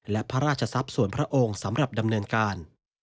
และพระราชทรัพย์ส่วนพระองค์สำหรับดำเนินการ